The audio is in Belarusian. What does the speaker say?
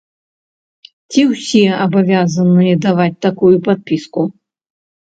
Ці ўсе абавязаныя даваць такую падпіску?